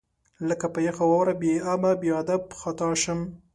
لکه په یخ واوره بې ابه، بې ادب خطا شم